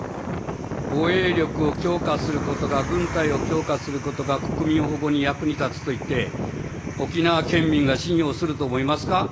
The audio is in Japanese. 防衛力を強化することが、軍隊を強化することが、国民保護に役に立つと言って、沖縄県民が信用すると思いますか。